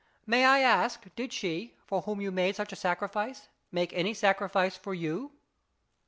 May I ask, did she, for whom you made such a sacrifice, make any sacrifice for you